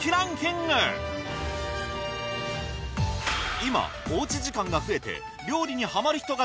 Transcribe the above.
今おうち時間が増えて